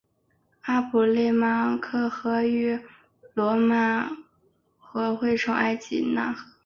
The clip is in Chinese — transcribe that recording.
阿普里马克河与曼塔罗河汇流成为埃纳河。